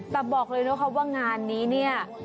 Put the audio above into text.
แต่บอกเลยนะคะว่างานนี้เนี่ย